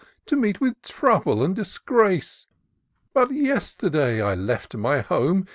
To meet with trouble and disgrace. But yesterday I left my home.